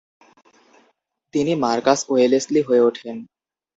তিনি Marcus Wellesley হয়ে ওঠেন।